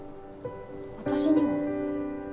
私には？